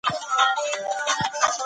پوهان باید ټولنیز عوامل په پام کي ونیسي.